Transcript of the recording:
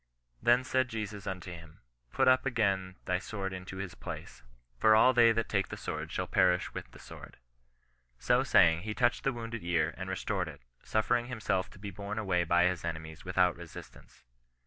'' Then said Jesus unto him, put up again thy sword into his \[laAj^v 60 CHRISTIAN N0K RE8ISTANCE. for all they that take the sword shall perish with the sword." So saying, he touched the wounded ear, and restored it, suffering himself to be borne away by his enemies without resistance.